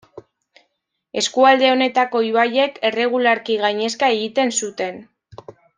Eskualde honetako ibaiek erregularki gainezka egiten zuten.